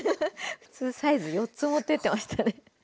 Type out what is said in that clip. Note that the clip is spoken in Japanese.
普通サイズ４つ持ってってましたね。